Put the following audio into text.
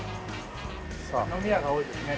飲み屋が多いですね